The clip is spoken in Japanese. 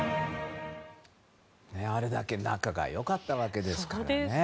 あれだけ仲が良かったわけですからね。